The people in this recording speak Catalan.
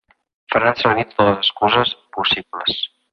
Faran servir totes les excuses possibles.